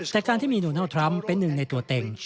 แต่การที่มีโดนัลดทรัมป์เป็นหนึ่งในตัวเต็ง